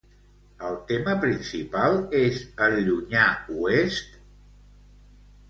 El tema principal és el Llunyà Oest?